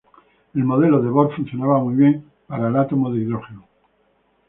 El modelo de Bohr funcionaba muy bien para el átomo de hidrógeno.